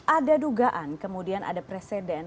ada dugaan kemudian ada presiden